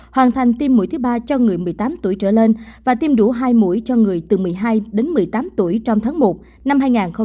hoàn thành tiêm mũi thứ ba cho người một mươi tám tuổi trở lên và tiêm đủ hai mũi cho người từ một mươi hai đến một mươi tám tuổi trong tháng một năm hai nghìn hai mươi